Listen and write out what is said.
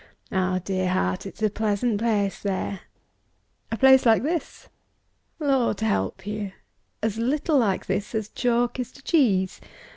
Ah, dear heart, it's a pleasant place, there!" "A place like this?" "Lord help you! As little like this as chalk is to cheese.